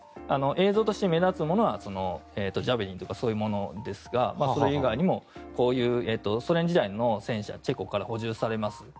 映像として目立つものはジャベリンとかそういうものですがそれ以外にもこういう、ソ連時代の戦車がチェコから補充されます。